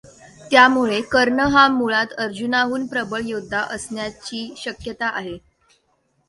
त्यामुळे, कर्ण हा मुळात अर्जुनाहून प्रबळ योद्धा असण्याची शक्यता आहे.